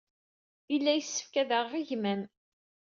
Yella yessefk ad aɣeɣ gma-m.